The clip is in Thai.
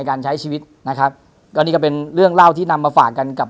การใช้ชีวิตนะครับก็นี่ก็เป็นเรื่องเล่าที่นำมาฝากกันกับ